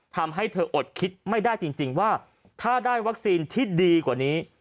ทำให้เธออดคิดไม่ได้จริงว่าถ้าได้วัคซีนที่ดีกว่านี้